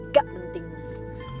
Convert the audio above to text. gak penting mas